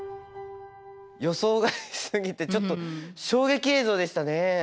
予想外すぎてちょっと衝撃映像でしたね。